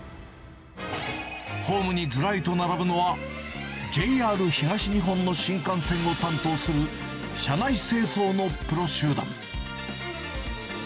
ホームにずらりと並ぶのは、ＪＲ東日本の新幹線を担当する、車内清掃のプロ集団。